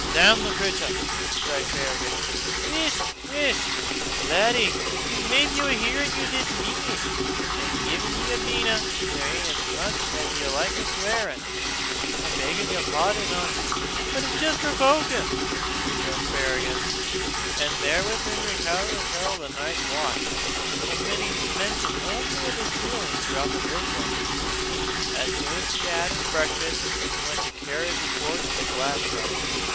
"Damn the cratur!" cried Fergus. "Whisht, whisht, laddie! he's maybe hearin' ye this meenute. An' gien he binna, there's ane 'at is, an' likesna sweirin'." "I beg yer pardon, auntie, but it's jist provokin'!" returned Fergus, and therewith recounted the tale of his night's watch, omitting mention only of his feelings throughout the vigil. As soon as he had had his breakfast, he went to carry his report to Glashruach.